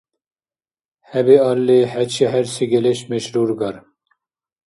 ХӀебиалли, хӀечи хӀерси гелешмеш рургар?